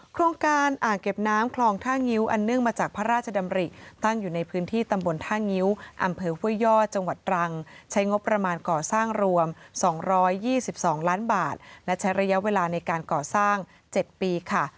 โครงการอ่างเก็บน้ำคลองท่างิ้วอันเนื่องมาจากพระราชดำริตั้งอยู่ในพื้นที่ตำบลท่างิ้วอำเภอห้วยยอดจังหวัดตรังใช้งบประมาณก่อสร้างรวม๒๒ล้านบาทและใช้ระยะเวลาในการก่อสร้าง๗ปีค่ะ